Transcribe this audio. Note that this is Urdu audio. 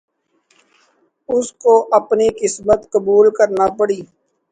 اس کو اپنی قسمت قبول کرنا پڑی۔